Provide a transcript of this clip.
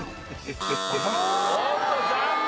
おっと残念！